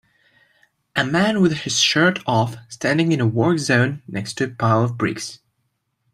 A man with his shirt off standing in a work zone next to a pile of bricks